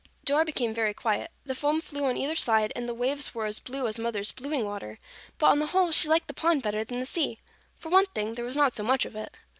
Dora became very quiet. The foam flew on either side, and the waves were as blue as Mother's blueing water, but on the whole she liked the pond better than the sea. For one thing, there was not so much of it.